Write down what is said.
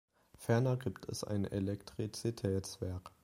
Ferner gibt es ein Elektrizitätswerk.